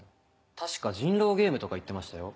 確か人狼ゲームとか言ってましたよ。